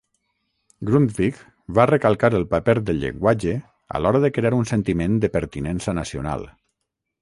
Grundtvig va recalcar el paper del llenguatge a l'hora de crear un sentiment de pertinença nacional.